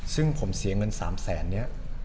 ซึ่งผมเสียเงิน๓แสนนี้